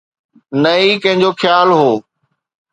نه ئي ڪنهن جو خيال هو